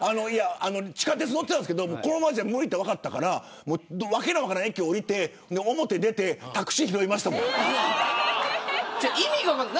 地下鉄乗ったんですけどこのままじゃ無理と分かったから訳の分からない駅降りて表出てタクシー拾いました。